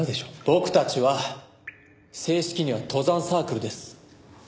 僕たちは正式には登山サークルです。